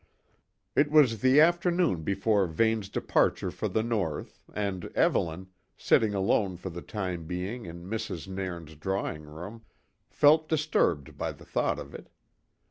It was the afternoon before Vane's departure for the north, and Evelyn, sitting alone for the time being in Mrs. Nairn's drawing room, felt disturbed by the thought of it.